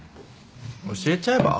教えちゃえば？